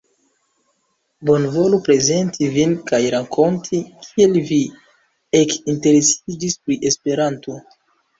Bonvolu prezenti vin kaj rakonti kiel vi ekinteresiĝis pri Esperanto.